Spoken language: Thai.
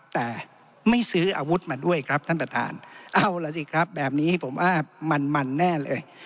แต่ไม่ซื้ออาวุธมาด้วยครับท่านประธานเอาล่ะสิครับแบบนี้ผมว่ามันมันแน่เลย